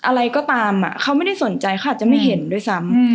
อะไรก็ตามเขาไม่ได้สนใจเขาอาจจะไม่เห็นด้วยซ้ำ